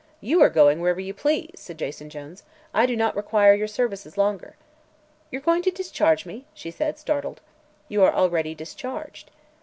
"You are going wherever you please," said Jason Jones. "I do not require your services longer." "You're going to discharge me?" she said, startled. "You are already discharged."